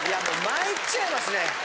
もうまいっちゃいますね。